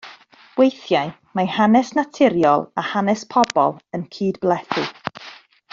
Weithiau mae hanes naturiol a hanes pobl yn cydblethu.